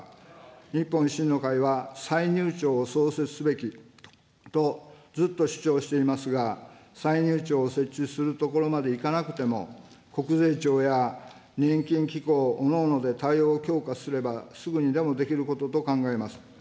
日本維新の会は、歳入庁を創設すべきとずっと主張していますが、歳入庁を設置するところまでいかなくても、国税庁や年金機構おのおので対応を強化すれば、すぐにでもできることと考えます。